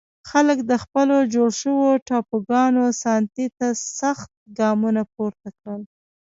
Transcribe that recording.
خلک د خپلو جوړ شوو ټاپوګانو ساتنې ته سخت ګامونه پورته کړل.